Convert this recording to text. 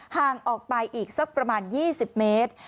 ห่างออกไปอีกสักประมาณ๒๐เมตร